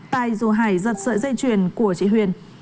tài dù hải giật sợi dây truyền của chị huyền